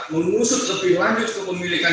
mengusut lebih lanjut kepemilikan